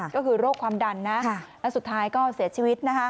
ก็คือโรคความดันและสุดท้ายก็เสียชีวิต